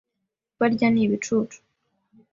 barya ni ibicucu